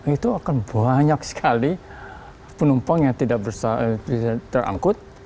itu akan banyak sekali penumpang yang tidak terangkut